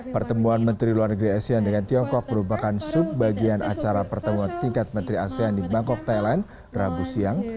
pertemuan menteri luar negeri asean dengan tiongkok merupakan subbagian acara pertemuan tingkat menteri asean di bangkok thailand rabu siang